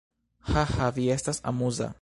Haha, vi estas amuza.